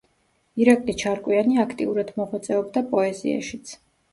ირაკლი ჩარკვიანი აქტიურად მოღვაწეობდა პოეზიაშიც.